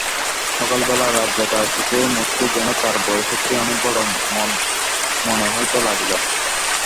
সকালবেলা রাতজাগা চোখে মতিকে যেন তার বয়সের চেয়ে অনেক বড় মনে হইতে লাগিল।